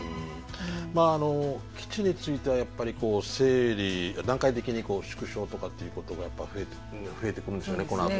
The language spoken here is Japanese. まあ基地についてはやっぱり整理段階的に縮小とかっていうことが増えてくるんでしょうね